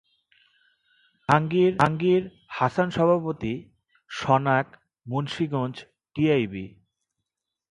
জাহাঙ্গীর হাসানসভাপতি, সনাক, মুন্সিগঞ্জ, টিআইবি।